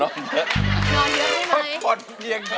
ควบควดเพียงพอ